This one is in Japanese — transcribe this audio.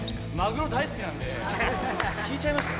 きいちゃいましたね。